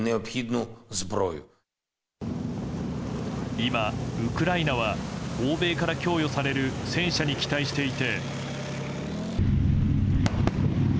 今ウクライナは、欧米から供与される戦車に期待していて。